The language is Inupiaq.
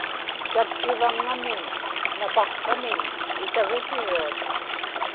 tatkivaŋŋamiñ napaqsramiñ isagutiruat